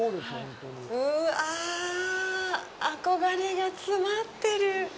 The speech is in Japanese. うわぁ、憧れが詰まってる！